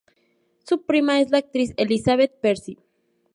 Su prima es la actriz Elizabeth Percy.